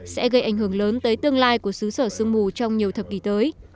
sẽ gây ảnh hưởng lớn tới tương lai của xứ sở sương mù trong nhiều thập kỷ tới